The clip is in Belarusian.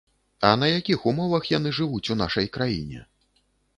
А на якіх умовах яны жывуць у нашай краіне?